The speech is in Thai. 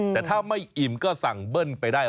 แต่ถ้าไม่อิ่มก็สั่งเบิ้ลไปได้